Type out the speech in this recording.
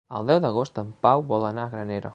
El deu d'agost en Pau vol anar a Granera.